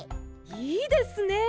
いいですね！